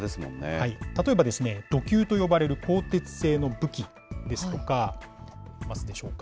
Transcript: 例えば、弩弓と呼ばれる鋼鉄製の武器ですとか、出ますでしょうか。